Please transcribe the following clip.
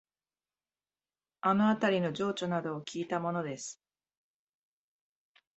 あのあたりの情緒などをきいたものです